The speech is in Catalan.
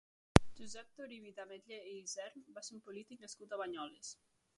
Josep Toribi d'Ametller i Isern va ser un polític nascut a Banyoles.